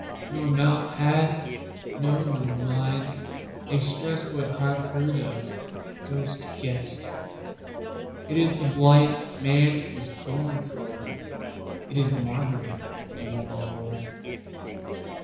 Nor mouth had, no nor mind, expressedWhat heart heard of, ghost guessed:It ís the blight man was born for, It is Margaret you mourn for.